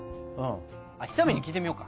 あひさみんに聞いてみようか。